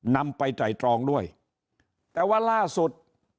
นำไปไตรตรองด้วยแต่ว่าล่าสุด